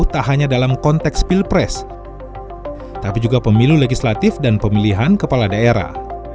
tak hanya dalam konteks pilpres tapi juga pemilu legislatif dan pemilihan kepala daerah